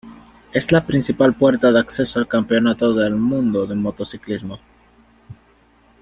Es la principal puerta de acceso al Campeonato del Mundo de Motociclismo.